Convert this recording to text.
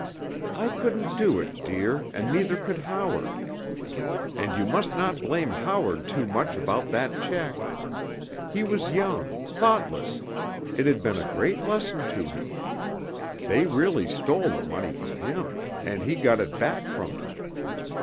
I couldn't do it, dear, and neither could Howard. And you must not blame Howard too much about that check. He was young, thoughtless—it has been a great lesson to him. They really stole the money from him, and he got it back from them.